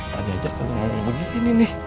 pak jajak kenapa lu begini nih